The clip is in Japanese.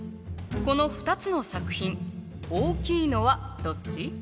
この２つの作品大きいのはどっち？